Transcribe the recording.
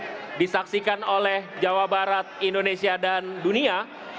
jangan sampai ini disaksikan oleh jawabarat indonesia dan dunia